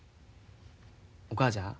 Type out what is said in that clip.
お母ちゃん。